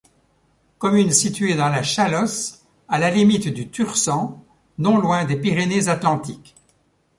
Commune située dans la Chalosse à la limite du Tursan, non loin des Pyrénées-Atlantiques.